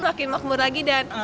makin makmur lagi dan